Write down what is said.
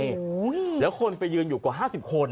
โอ้โหแล้วคนไปยืนอยู่กว่า๕๐คน